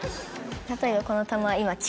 例えばこの球は。